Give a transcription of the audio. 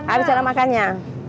ada cara makannya